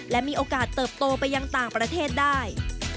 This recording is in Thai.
และมีโอกาสเติบโตไปยังต่างประเทศได้